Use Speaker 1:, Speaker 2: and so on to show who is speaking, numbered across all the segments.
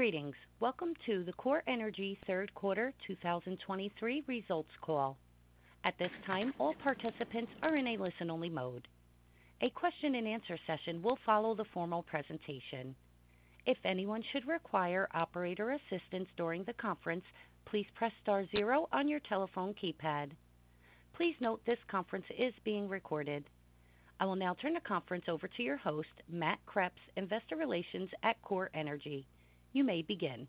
Speaker 1: Greetings. Welcome to the CorEnergy Third Quarter 2023 Results Call. At this time, all participants are in a listen-only mode. A question-and-answer session will follow the formal presentation. If anyone should require operator assistance during the conference, please press star zero on your telephone keypad. Please note this conference is being recorded. I will now turn the conference over to your host, Matt Kreps, Investor Relations at CorEnergy. You may begin.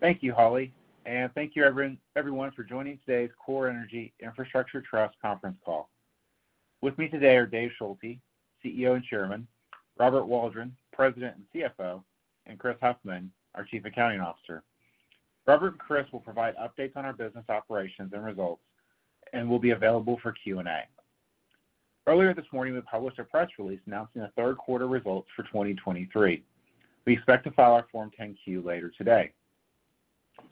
Speaker 2: Thank you, Holly, and thank you, everyone, everyone for joining today's CorEnergy Infrastructure Trust Conference Call. With me today are Dave Schulte, CEO and Chairman, Robert Waldron, President and CFO, and Chris Huffman, our Chief Accounting Officer. Robert and Chris will provide updates on our business operations and results and will be available for Q&A. Earlier this morning, we published a press release announcing the third quarter results for 2023. We expect to file our Form 10-Q later today.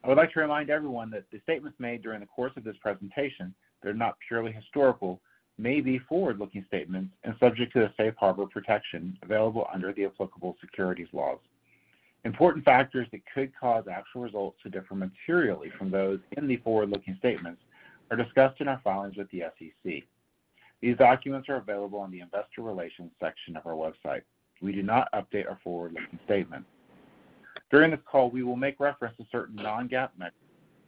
Speaker 2: I would like to remind everyone that the statements made during the course of this presentation that are not purely historical, may be forward-looking statements and subject to the safe harbor protection available under the applicable securities laws. Important factors that could cause actual results to differ materially from those in the forward-looking statements are discussed in our filings with the SEC. These documents are available on the Investor Relations section of our website. We do not update our forward-looking statements. During this call, we will make reference to certain non-GAAP metrics,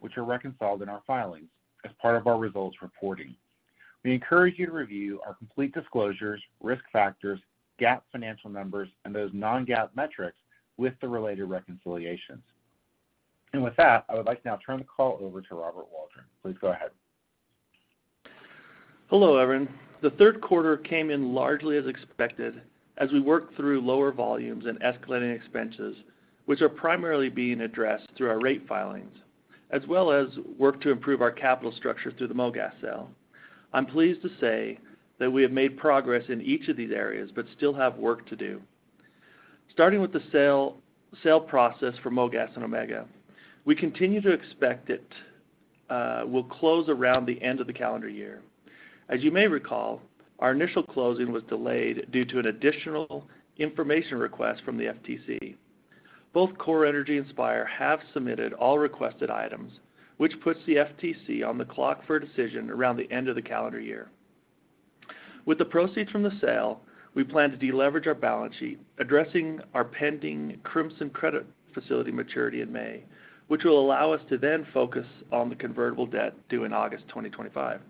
Speaker 2: which are reconciled in our filings as part of our results reporting. We encourage you to review our complete disclosures, risk factors, GAAP financial numbers, and those non-GAAP metrics with the related reconciliations. With that, I would like to now turn the call over to Robert Waldron. Please go ahead.
Speaker 3: Hello, everyone. The third quarter came in largely as expected as we worked through lower volumes and escalating expenses, which are primarily being addressed through our rate filings, as well as work to improve our capital structure through the MoGas sale. I'm pleased to say that we have made progress in each of these areas, but still have work to do. Starting with the sale, sale process for MoGas and Omega, we continue to expect it will close around the end of the calendar year. As you may recall, our initial closing was delayed due to an additional information request from the FTC. Both CorEnergy and Spire have submitted all requested items, which puts the FTC on the clock for a decision around the end of the calendar year. With the proceeds from the sale, we plan to deleverage our balance sheet, addressing our pending Crimson credit facility maturity in May, which will allow us to then focus on the convertible debt due in August 2025.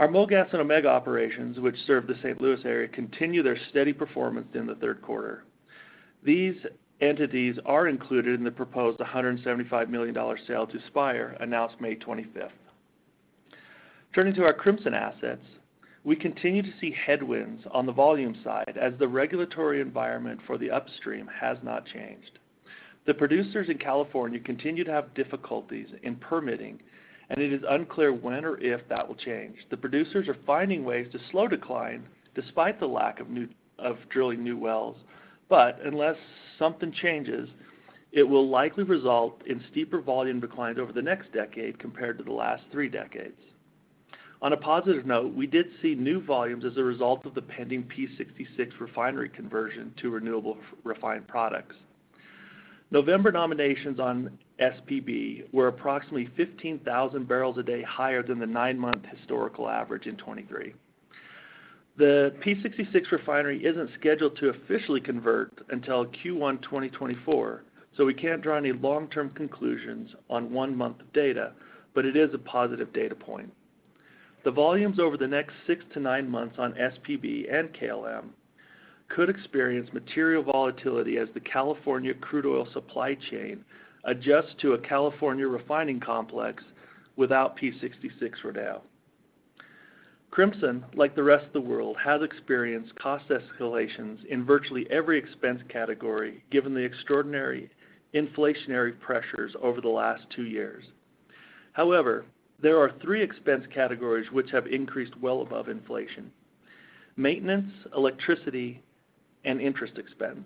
Speaker 3: Our MoGas and Omega operations, which serve the St. Louis area, continue their steady performance in the third quarter. These entities are included in the proposed $175 million sale to Spire, announced May 25. Turning to our Crimson assets, we continue to see headwinds on the volume side as the regulatory environment for the upstream has not changed. The producers in California continue to have difficulties in permitting, and it is unclear when or if that will change. The producers are finding ways to slow the decline despite the lack of drilling new wells. But unless something changes, it will likely result in steeper volume declines over the next decade compared to the last three decades. On a positive note, we did see new volumes as a result of the pending P66 refinery conversion to renewable refined products. November nominations on SPB were approximately 15,000 barrels a day higher than the 9-month historical average in 2023. The P66 refinery isn't scheduled to officially convert until Q1 2024, so we can't draw any long-term conclusions on one month of data, but it is a positive data point. The volumes over the next six to nine months on SPB and KLM could experience material volatility as the California crude oil supply chain adjusts to a California refining complex without P66 Rodeo. Crimson, like the rest of the world, has experienced cost escalations in virtually every expense category, given the extraordinary inflationary pressures over the last two years. However, there are three expense categories which have increased well above inflation: maintenance, electricity, and interest expense.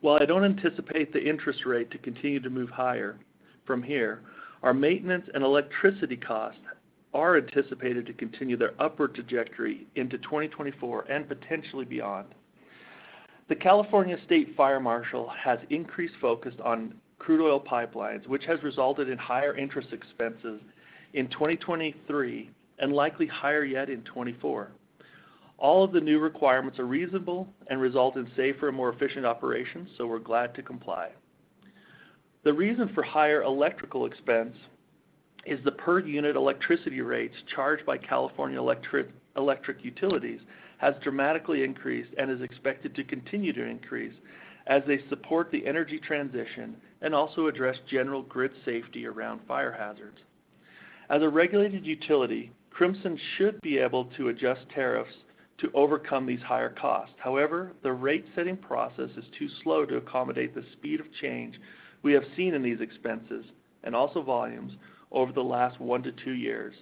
Speaker 3: While I don't anticipate the interest rate to continue to move higher from here, our maintenance and electricity costs are anticipated to continue their upward trajectory into 2024 and potentially beyond. The California State Fire Marshal has increased focus on crude oil pipelines, which has resulted in higher interest expenses in 2023 and likely higher yet in 2024. All of the new requirements are reasonable and result in safer and more efficient operations, so we're glad to comply. The reason for the higher electrical expense is the per-unit electricity rates charged by California electric utilities have dramatically increased and is expected to continue to increase as they support the energy transition and also address general grid safety around fire hazards. As a regulated utility, Crimson should be able to adjust tariffs to overcome these higher costs. However, the rate-setting process is too slow to accommodate the speed of change we have seen in these expenses, and also volumes, over the last 1-2 years.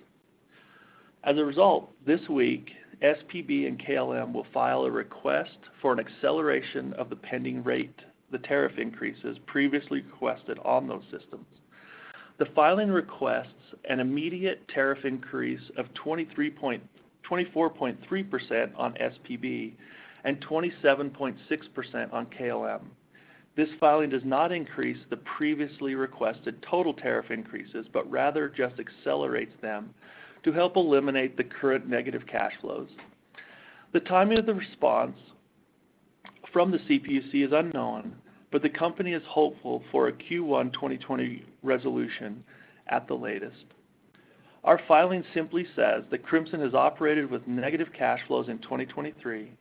Speaker 3: As a result, this week, SPB and KLM will file a request for an acceleration of the pending rate, the tariff increases previously requested on those systems. The filing requests an immediate tariff increase of 24.3% on SPB and 27.6% on KLM. This filing does not increase the previously requested total tariff increases, but rather just accelerates them to help eliminate the current negative cash flows. The timing of the response from the CPUC is unknown, but the company is hopeful for a Q1 2020 resolution at the latest. Our filing simply says that Crimson has operated with negative cash flows in 2023,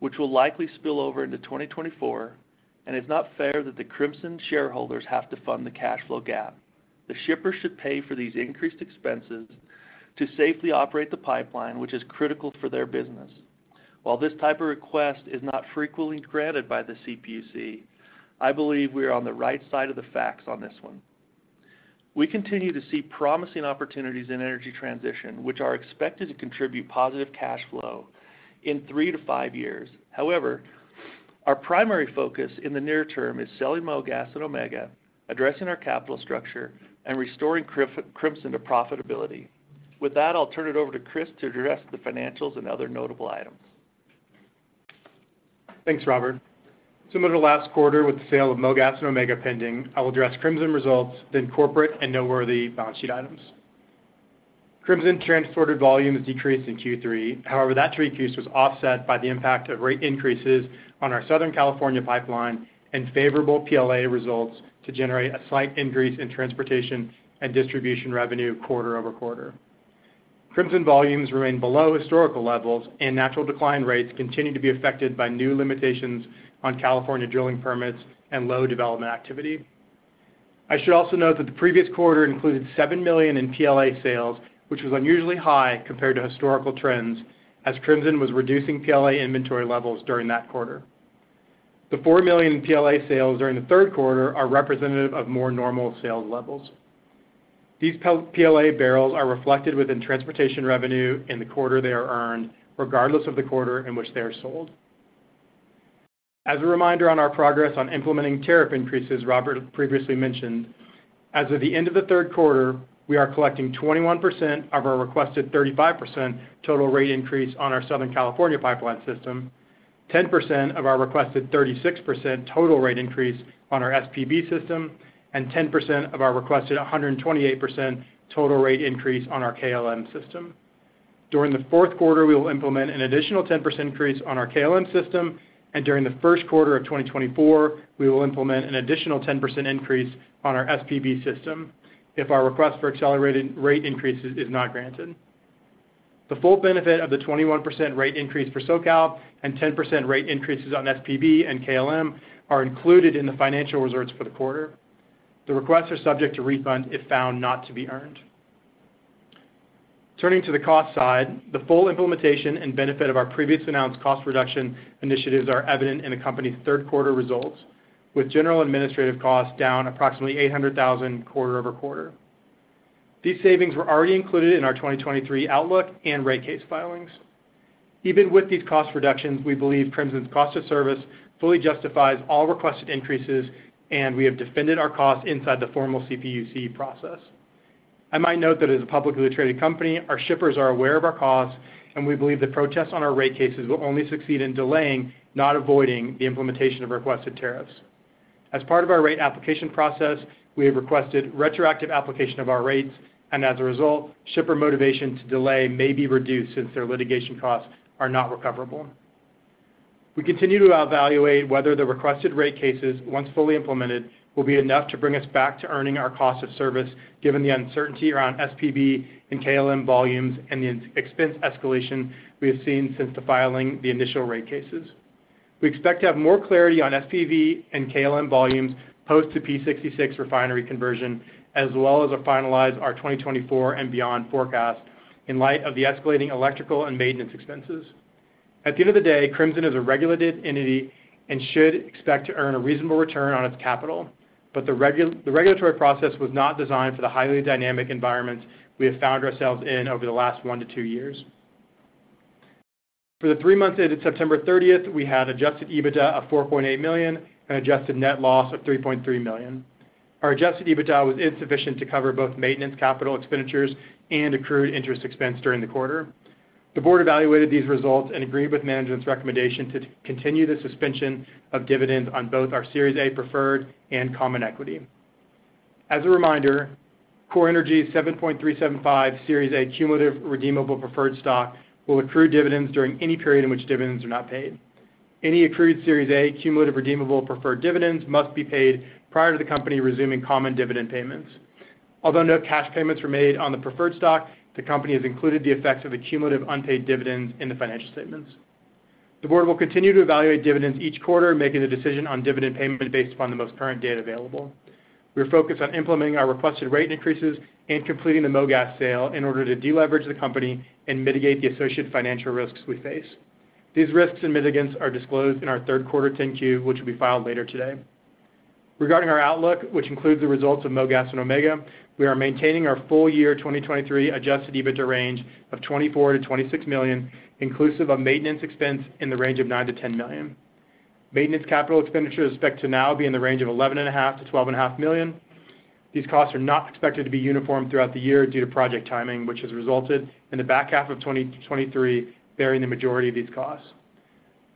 Speaker 3: which will likely spill over into 2024, and it's not fair that the Crimson shareholders have to fund the cash flow gap. The shippers should pay for these increased expenses to safely operate the pipeline, which is critical for their business. While this type of request is not frequently granted by the CPUC, I believe we are on the right side of the facts on this one. We continue to see promising opportunities in energy transition, which are expected to contribute positive cash flow in 3-5 years. However, our primary focus in the near term is selling MoGas and Omega, addressing our capital structure, and restoring Crimson to profitability. With that, I'll turn it over to Chris to address the financials and other notable items.
Speaker 4: Thanks, Robert. Similar to last quarter, with the sale of MoGas and Omega pending, I will address Crimson results, then corporate and noteworthy balance sheet items. Crimson transported volume has decreased in Q3. However, that decrease was offset by the impact of rate increases on our Southern California pipeline and favorable PLA results to generate a slight increase in transportation and distribution revenue quarter-over-quarter. Crimson volumes remain below historical levels, and natural decline rates continue to be affected by new limitations on California drilling permits and low development activity. I should also note that the previous quarter included $7 million in PLA sales, which was unusually high compared to historical trends, as Crimson was reducing PLA inventory levels during that quarter. The $4 million in PLA sales during the third quarter are representative of more normal sales levels. These PLA, PLA barrels are reflected within transportation revenue in the quarter they are earned, regardless of the quarter in which they are sold. As a reminder on our progress on implementing tariff increases, Robert previously mentioned, as of the end of the third quarter, we are collecting 21% of our requested 35% total rate increase on our Southern California Pipeline system, 10% of our requested 36% total rate increase on our SPB system, and 10% of our requested 128% total rate increase on our KLM system. During the fourth quarter, we will implement an additional 10% increase on our KLM system, and during the first quarter of 2024, we will implement an additional 10% increase on our SPB system if our request for accelerated rate increases is not granted. The full benefit of the 21% rate increase for SoCal and 10% rate increases on SPB and KLM are included in the financial results for the quarter. The requests are subject to refund if found not to be earned. Turning to the cost side, the full implementation and benefit of our previous announced cost reduction initiatives are evident in the company's third quarter results, with general administrative costs down approximately $800,000 quarter-over-quarter. These savings were already included in our 2023 outlook and rate case filings. Even with these cost reductions, we believe Crimson's cost of service fully justifies all requested increases, and we have defended our costs inside the formal CPUC process. I might note that as a publicly traded company, our shippers are aware of our costs, and we believe the protests on our rate cases will only succeed in delaying, not avoiding, the implementation of requested tariffs. As part of our rate application process, we have requested retroactive application of our rates, and as a result, shipper's motivation to delay may be reduced since their litigation costs are not recoverable. We continue to evaluate whether the requested rate cases, once fully implemented, will be enough to bring us back to earning our cost of service, given the uncertainty around SPB and KLM volumes and the expense escalation we have seen since filing the initial rate cases. We expect to have more clarity on SPB and KLM volumes post the P66 refinery conversion, as well as to finalize our 2024 and beyond forecast in light of the escalating electrical and maintenance expenses. At the end of the day, Crimson is a regulated entity and should expect to earn a reasonable return on its capital, but the regulatory process was not designed for the highly dynamic environment we have found ourselves in over the last 1-2 years. For the three months ended September 30, we had adjusted EBITDA of $4.8 million and adjusted net loss of $3.3 million. Our adjusted EBITDA was insufficient to cover both maintenance, capital expenditures, and accrued interest expense during the quarter. The board evaluated these results and agreed with management's recommendation to continue the suspension of dividends on both our Series A Preferred and common equity. As a reminder, CorEnergy's 7.375% Series A Cumulative Redeemable Preferred Stock will accrue dividends during any period in which dividends are not paid. Any accrued Series A Cumulative Redeemable Preferred dividends must be paid prior to the company resuming common dividend payments. Although no cash payments were made on the preferred stock, the company has included the effects of the cumulative unpaid dividends in the financial statements. The board will continue to evaluate dividends each quarter, making the decision on dividend payment based upon the most current data available. We're focused on implementing our requested rate increases and completing the MoGas sale in order to deleverage the company and mitigate the associated financial risks we face. These risks and mitigants are disclosed in our third-quarter 10-Q, which will be filed later today. Regarding our outlook, which includes the results of MoGas and Omega, we are maintaining our full year 2023 adjusted EBITDA range of $24 million to $26 million, inclusive of maintenance expense in the range of $9 million to $10 million.
Speaker 3: Maintenance capital expenditures expect to now be in the range of $11.5 million to $12.5 million. These costs are not expected to be uniform throughout the year due to project timing, which has resulted in the back half of 2023 bearing the majority of these costs.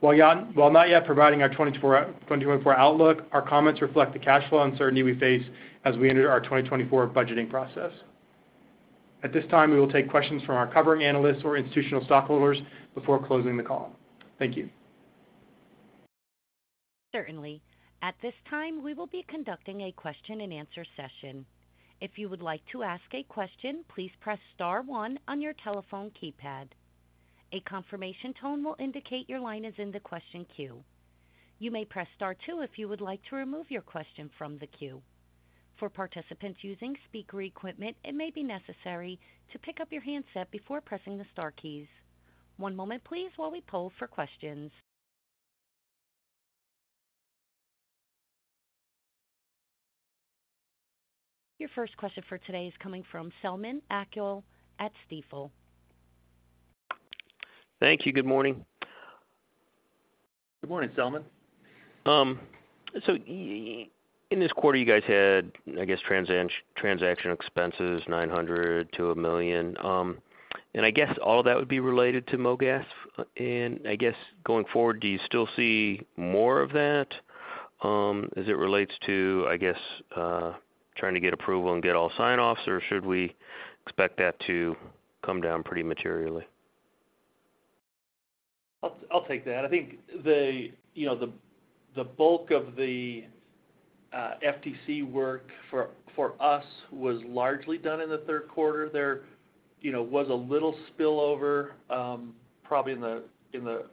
Speaker 3: While not yet providing our 2024, 2024 outlook, our comments reflect the cash flow uncertainty we face as we enter our 2024 budgeting process. At this time, we will take questions from our covering analysts or institutional stockholders before closing the call. Thank you.
Speaker 1: Certainly. At this time, we will be conducting a question-and-answer session. If you would like to ask a question, please press star one on your telephone keypad. A confirmation tone will indicate your line is in the question queue. You may press star two if you would like to remove your question from the queue. For participants using speaker equipment, it may be necessary to pick up your handset before pressing the star keys. One moment, please, while we poll for questions. Your first question for today is coming from Selman Akyol at Stifel.
Speaker 5: Thank you. Good morning.
Speaker 3: Good morning, Selman.
Speaker 5: So in this quarter, you guys had, I guess, transaction expenses, $900,000-$1 million. And I guess all that would be related to MoGas. And I guess, going forward, do you still see more of that, as it relates to trying to get approval and get all sign-offs? Or should we expect that to come down pretty materially?
Speaker 3: I'll take that. I think, you know, the bulk of the FTC work for us was largely done in the third quarter. There, you know, was a little spillover probably in the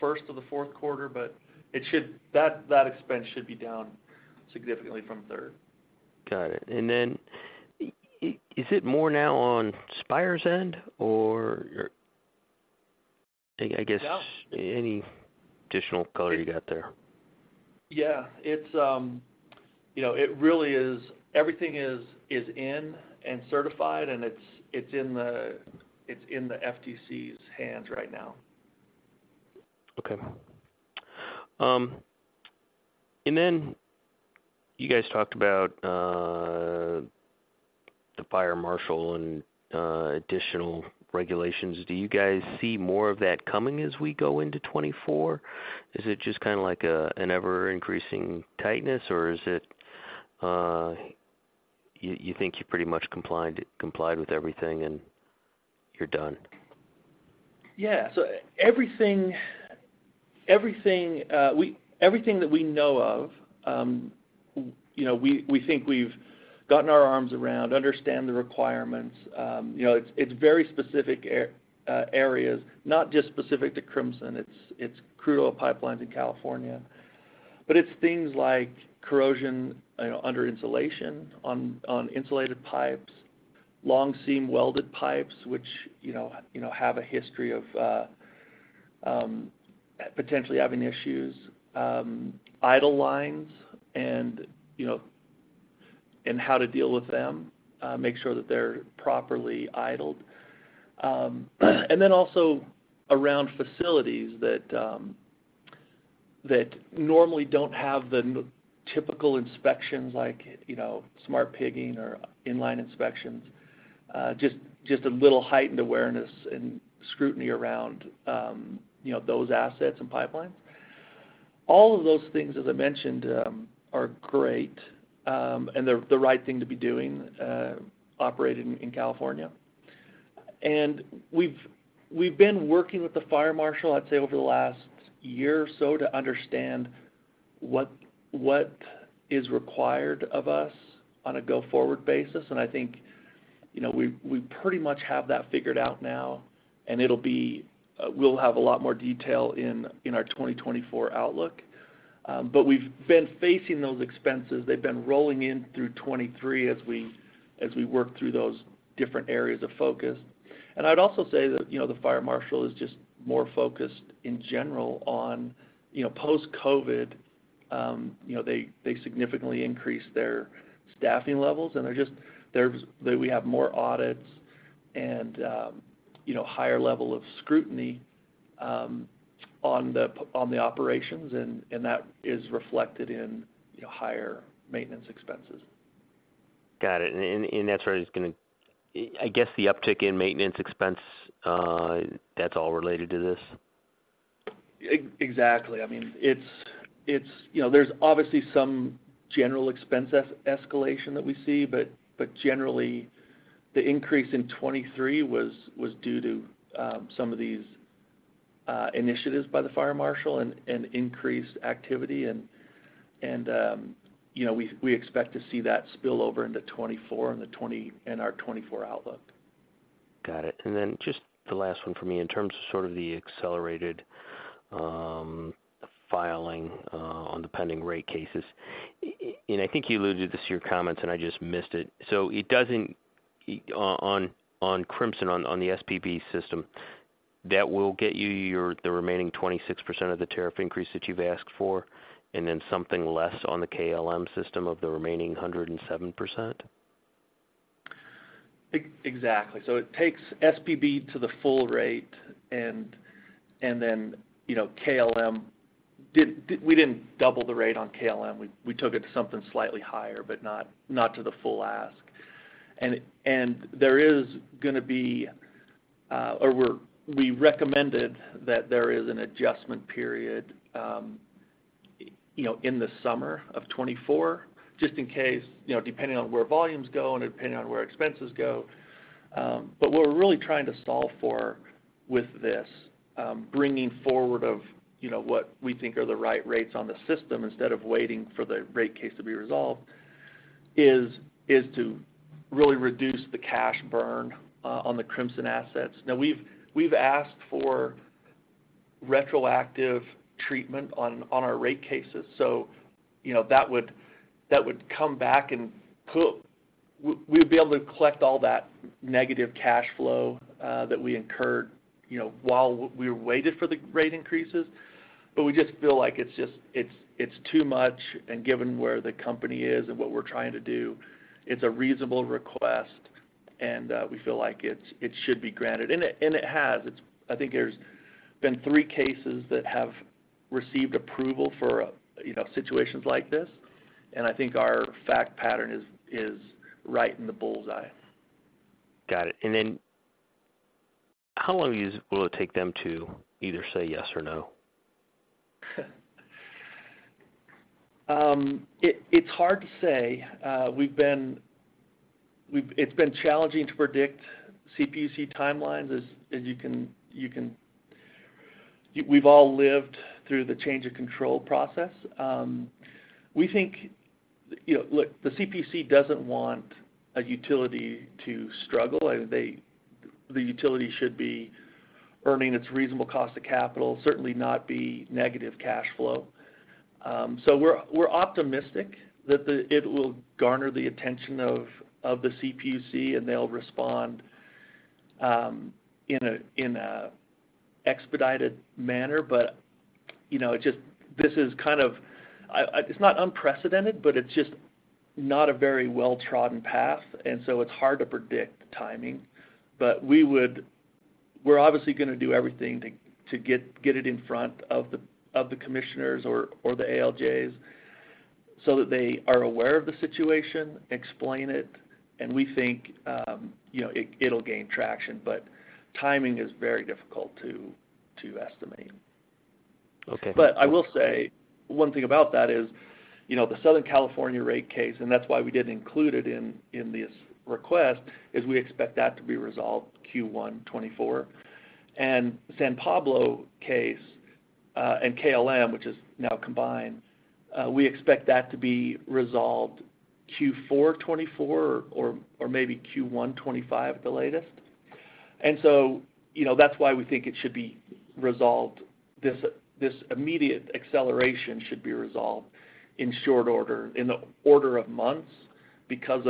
Speaker 3: first of the fourth quarter, but that expense should be down significantly from third.
Speaker 5: Got it. And then, is it more now on Spire's end. Any additional color you got there?
Speaker 3: It really is. Everything is in and certified, and it's in the FTC's hands right now.
Speaker 5: Okay. And then you guys talked about the fire marshal and additional regulations. Do you guys see more of that coming as we go into 2024? Is it just kind of like an ever-increasing tightness, or is it you think you're pretty much complied with everything and you're done?
Speaker 3: So everything that we know of, we think we've gotten our arms around, and understand the requirements. It's very specific areas, not just specific to Crimson, it's crude oil pipelines in California. But it's things like corrosion under insulation on insulated pipes, long-seam welded pipes, which have a history of potentially having issues, idle lines and how to deal with them, make sure that they're properly idled. And then also around facilities that normally don't have the typical inspections, smart pigging or in-line inspections. Just a little heightened awareness and scrutiny around those assets and pipelines. All of those things, as I mentioned, are great, and they're the right thing to be doing, operating in California. We've been working with the fire marshal, I'd say, over the last year or so, to understand what is required of us on a go-forward basis. We pretty much have that figured out now, and we'll have a lot more detail in our 2024 outlook. But we've been facing those expenses. They've been rolling in through 2023 as we work through those different areas of focus. I'd also say that the fire marshal is just more focused in general on post-COVID. You know, they significantly increased their staffing levels, and we have more audits and a higher level of scrutiny on the operations, and that is reflected in, you know, higher maintenance expenses.
Speaker 5: Got it. And that's where the uptick in maintenance expense, that's all related to this?
Speaker 3: Exactly. It's there's obviously some general expense escalation that we see, but generally, the increase in 2023 was due to some of these initiatives by the fire marshal and we expect to see that spill over into 2024 and our 2024 outlook.
Speaker 5: Got it. And then just the last one for me, in terms of sort of the accelerated filing on the pending rate cases, and I think you alluded to this in your comments, and I just missed it. So it doesn't, on Crimson, on the SPB system, that will get you the remaining 26% of the tariff increase that you've asked for, and then something less on the KLM system of the remaining 107%?
Speaker 3: Exactly. So it takes SPB to the full rate, and then KLM, we didn't double the rate on KLM. We took it to something slightly higher, but not to the full ask. And there is gonna be, or we recommended that there is an adjustment period, you know, in the summer of 2024, just in case, you know, depending on where volumes go and depending on where expenses go. But what we're really trying to solve for with this, bringing forward of what we think are the right rates on the system, instead of waiting for the rate case to be resolved, is to really reduce the cash burn on the Crimson assets. Now, we've asked for retroactive treatment on our rate cases, so, you know, that would come back and put, we'd be able to collect all that negative cash flow that we incurred while we waited for the rate increases. But we just feel like it's just, it's too much, and given where the company is and what we're trying to do, it's a reasonable request, and we feel like it should be granted. And it has. There's been three cases that have received approval for, you know, situations like this, and I think our fact pattern is right in the bullseye.
Speaker 5: Got it. And then how long will it take them to either say yes or no?
Speaker 3: It's hard to say. It's been challenging to predict CPUC timelines as much as you can. We've all lived through the change of control process. We think, you know, look, the CPUC doesn't want a utility to struggle. They, the utility should be earning its reasonable cost of capital, certainly not be negative cash flow. So we're optimistic that it will garner the attention of the CPUC, and they'll respond in an expedited manner. But just, this is it's not unprecedented, but it's just not a very well-trodden path, and so it's hard to predict timing. But we would, we're obviously gonna do everything to get it in front of the commissioners or the ALJs, so that they are aware of the situation, explain it, and we think it, it'll gain traction. But timing is very difficult to estimate.
Speaker 5: Okay.
Speaker 3: But I will say one thing about that is, you know, the Southern California rate case, and that's why we didn't include it in this request, is we expect that to be resolved Q1 2024. And San Pablo case, and KLM, which is now combined, we expect that to be resolved Q4 2024 or maybe Q1 2025 at the latest. And so, you know, that's why we think it should be resolved. This immediate acceleration should be resolved in short order, in the order of months, because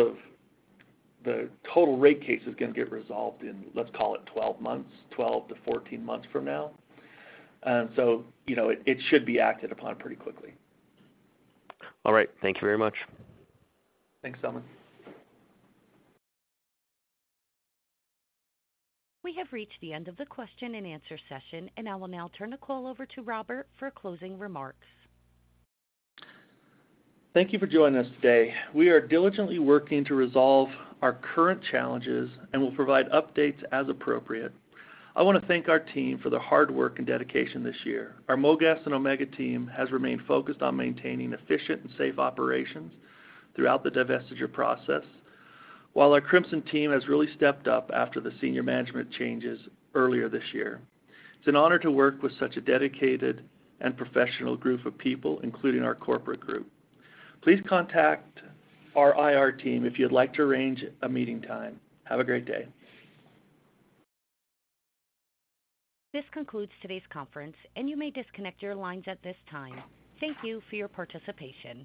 Speaker 3: the total rate case is gonna get resolved in, let's call it 12 months, 12-14 months from now. It should be acted upon pretty quickly.
Speaker 5: All right. Thank you very much.
Speaker 3: Thanks, Selman.
Speaker 1: We have reached the end of the question and answer session, and I will now turn the call over to Robert for closing remarks.
Speaker 3: Thank you for joining us today. We are diligently working to resolve our current challenges and will provide updates as appropriate. I want to thank our team for their hard work and dedication this year. Our MoGas and Omega team has remained focused on maintaining efficient and safe operations throughout the divestiture process, while our Crimson team has really stepped up after the senior management changes earlier this year. It's an honor to work with such a dedicated and professional group of people, including our corporate group. Please contact our IR team if you'd like to arrange a meeting time. Have a great day.
Speaker 1: This concludes today's conference, and you may disconnect your lines at this time. Thank you for your participation.